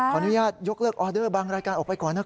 อนุญาตยกเลิกออเดอร์บางรายการออกไปก่อนนะครับ